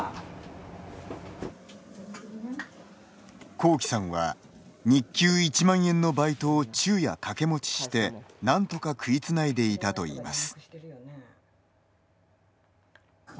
こうきさんは、日給１万円のバイトを昼夜掛け持ちして何とか食いつないでいたといいます。